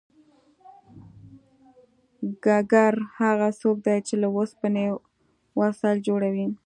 ګګر هغه څوک دی چې له اوسپنې وسایل جوړوي